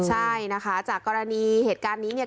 ใช่นะคะจากกรณีเหตุการณ์นี้เนี่ย